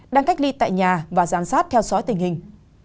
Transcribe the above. đang cách ly tại nhà và giám sát theo dõi tình hình